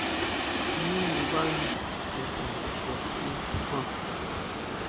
Jñá ndibani chuta xu si kjuan.